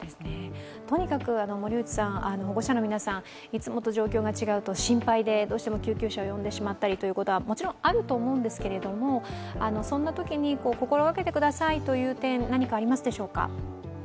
とにかく保護者の皆さん、いつもと状況が違うと心配でどうしても救急車を呼んでしまったりということは、もちろんあると思うんですけど、そんなときに心掛けてくださいという点、何かありますか？